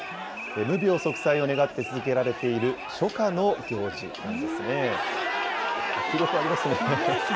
無病息災を願って続けられている初夏の行事なんですね。